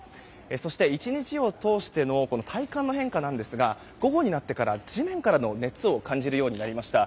そして、１日を通しての体感の変化なんですが午後になってから地面からの熱を感じるようになりました。